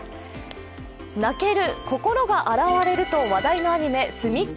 泣ける、心が洗われると話題のアニメ「すみっコ